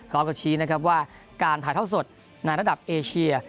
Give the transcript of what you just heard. กับชี้นะครับว่าการถ่ายเท่าสดในระดับเอเชีย